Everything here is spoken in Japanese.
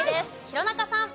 弘中さん。